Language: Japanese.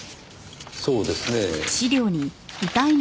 そうですねぇ。